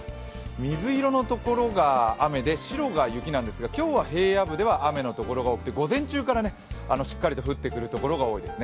水色のところが雨で白が雪なんですが、今日は平野部では雨のところが多くて午前中から、しっかりと降ってくるところが多いですね。